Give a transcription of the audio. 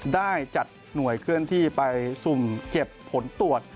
ได้จัดหน่วยเคลื่อนที่ไปสุ่มเก็บผลตรวจ